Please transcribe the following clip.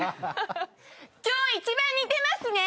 今日一番似てますね！